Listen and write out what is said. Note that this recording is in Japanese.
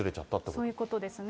そういうことですね。